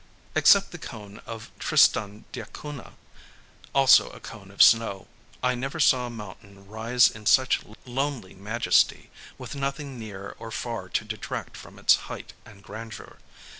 Except the cone of Tristan d'Acunha—also a cone of snow—I never saw a mountain rise in such lonely majesty, with nothing near or far to detract from its height and grandeur.